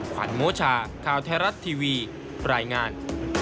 ขวัญโมชาข่าวไทยรัฐทีวีรายงาน